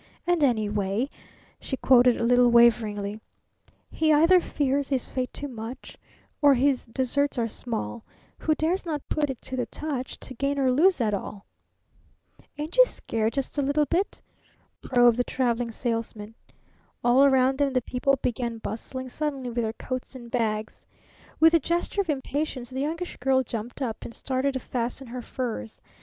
And, anyway," she quoted a little waveringly: "He either fears his fate too much, Or his, deserts are small, Who dares not put it to the touch To gain or lose it all!" "Ain't you scared just a little bit?" probed the Traveling Salesman. All around them the people began bustling suddenly with their coats and bags. With a gesture of impatience the Youngish Girl jumped up and started to fasten her furs.